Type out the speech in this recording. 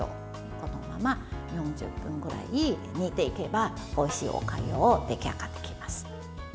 このまま４０分くらい煮ていけばおいしいおかゆが出来上がってきます。